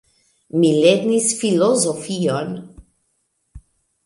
Mi lernis filozofion.